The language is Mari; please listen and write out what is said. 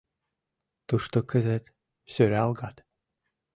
Тушто кызыт, сӧралгат